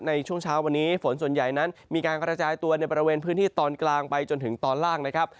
ในช่วงเช้าวันนี้ฝนส่วนใหญ่นั้นมีการกระจายตัวในบริเวณพื้นที่ตอนกลางไปจนถึงตอนล่างนะครับ